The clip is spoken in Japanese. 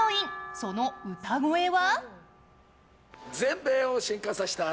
その歌声は？